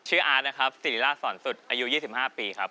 อาร์ตนะครับศิริราชสอนสุดอายุ๒๕ปีครับ